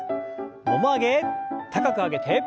もも上げ高く上げて。